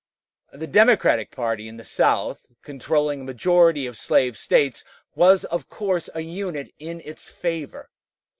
The Democratic party in the South, controlling a majority of slave States, was of course a unit in its favor.